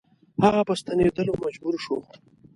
هغه په ستنېدلو مجبور شو.